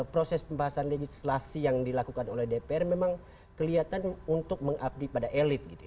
proses pembahasan legislasi yang dilakukan oleh dpr memang kelihatan untuk mengabdi pada elit gitu ya